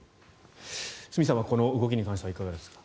角さんはこの動きについていかがですか？